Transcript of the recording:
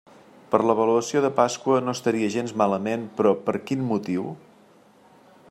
Per l'avaluació de Pasqua no estaria gens malament, però, per quin motiu?